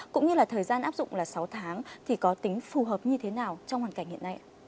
cũng như là thời gian áp dụng là sáu tháng thì có tính phù hợp như thế nào trong hoàn cảnh hiện nay ạ